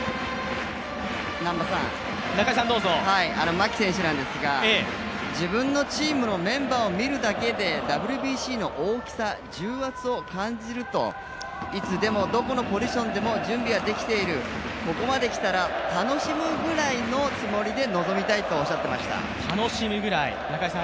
牧選手なんですが、自分のチームのメンバーを見るだけでＷＢＣの大きさ、重圧を感じるといつでも、どこのポジションでも準備は出来ている、ここまで来たら、楽しむぐらいのつもりで臨みたいとおっしゃっていました。